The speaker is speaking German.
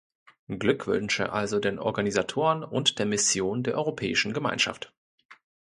Glückwünsche also den Organisatoren und der Mission der Europäischen Gemeinschaft.